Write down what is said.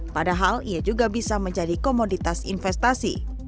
padahal ia juga bisa menjadi komoditas investasi